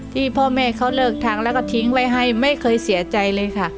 ที่พ่อแม่เขาเลิกทางแล้วก็ทิ้งไว้ให้ไม่เคยเสียใจเลยค่ะ